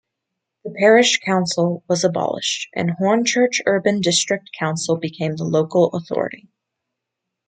The parish council was abolished and Hornchurch Urban District Council became the local authority.